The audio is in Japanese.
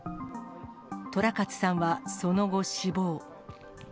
寅勝さんはその後死亡。